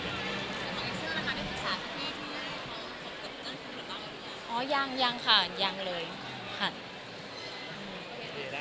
ขอบคุณครับ